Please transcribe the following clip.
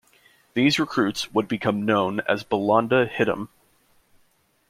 These recruits would become known as Belanda Hitam.